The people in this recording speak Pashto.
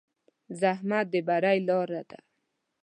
زحمت د بری لاره ده.